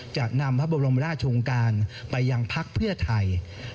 จะนำพระบรมราชวงการไปยังพักเพื่อไทย